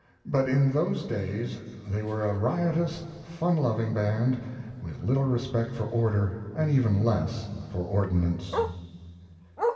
But in those days they were a riotous, fun loving band with little respect for order and even less for ordinance.